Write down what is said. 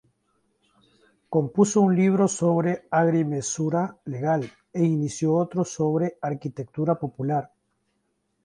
Compuso un libro sobre "Agrimensura legal" e inició otro sobre "Arquitectura popular".